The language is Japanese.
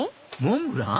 モンブラン？